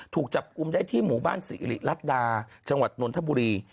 ถูกจับกลุ่มได้ที่หมู่บ้านสิริรัตดาจังหวัดนนทบุรี